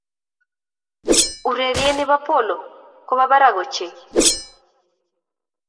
Urerie ne bo Polo ko bo barak ochei.